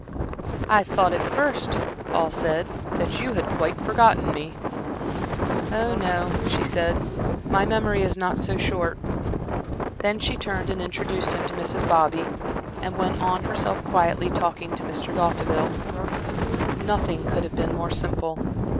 "I thought at first," Paul said, "that you had quite forgotten me." "Oh, no," she said, "my memory is not so short." Then she turned and introduced him to Mrs. Bobby, and went on herself quietly talking to Mr. D'Hauteville. Nothing could have been more simple.